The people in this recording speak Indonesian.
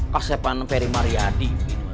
kasepan peri mariadi